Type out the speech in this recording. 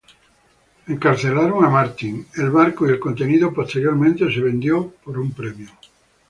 Martin fue encarcelado, el barco y el contenido posteriormente se venden por un premio.